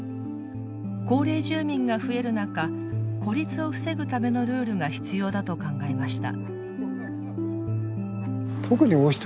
高齢住民が増える中孤立を防ぐためのルールが必要だと考えました。